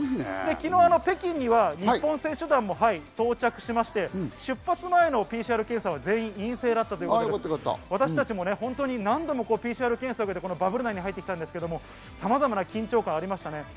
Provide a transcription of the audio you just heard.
昨日、北京には日本選手団も到着し、出発前のＰＣＲ検査は全員陰性だったということで、私たちも何度もＰＣＲ検査をして、このバブル内に入ってきたんですが、さまざまな緊張感がありました。